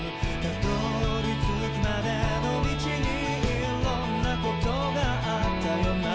「辿り着くまでの道にいろんなことがあったよな」